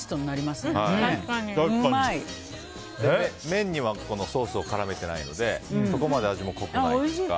麺にはソースを絡めていないのでそこまで味も濃くないというか。